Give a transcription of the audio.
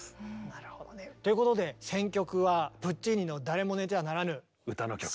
なるほどね。ということで選曲はプッチーニの「誰も寝てはならぬ」。歌の曲。